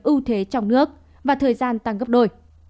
ưu thế trong nước và thời gian tăng gấp đôi